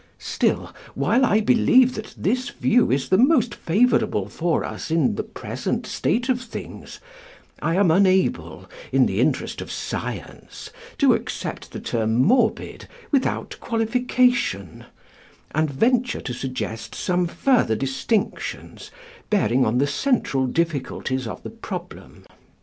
"Still, while I believe that this view is the most favourable for us in the present state of things, I am unable in the interest of science to accept the term morbid without qualification, and venture to suggest some further distinctions bearing on the central difficulties of the problem.